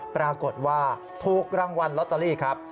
ปรากฏว่าถูกรางวัลลอตเตอรี่ครับ